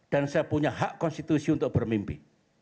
dan saya punya hak konstitusi untuk bermimpi